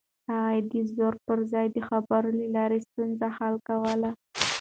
هغه د زور پر ځای د خبرو له لارې ستونزې حل کولې.